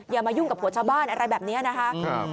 อย่ามายุ่งกับหัวชาวบ้านอะไรแบบนี้นะคะ